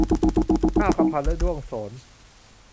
นาคพันธุ์และด้วงโสน